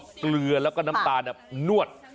เกลือแล้วก็น้ำตาลนวด